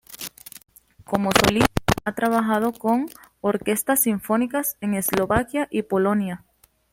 Como solista ha trabajado con orquestas sinfónicas en Eslovaquia y Polonia.